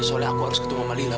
soalnya aku harus ketemu mbak lila